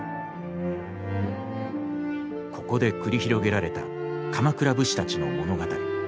ここで繰り広げられた鎌倉武士たちの物語。